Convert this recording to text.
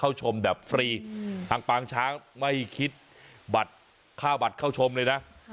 ชมแบบฟรีทางปางช้างไม่คิดบัตรค่าบัตรเข้าชมเลยนะ